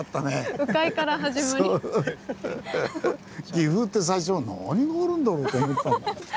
岐阜って最初は何があるんだろうと思った。